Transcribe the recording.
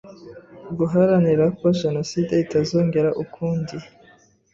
guharanira ko Jenoside itazongera ukundi.